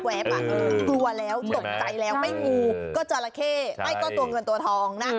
กลัวแล้วตกใจแล้วไม่งูก็จราเข้ไม่ก็ตัวเงินตัวทองนะ